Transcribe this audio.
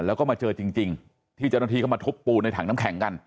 แล้วก็มาเจอจริงที่เจ้าหน้าที่เข้ามาทุบปูนในถังน้ำแข็งกัน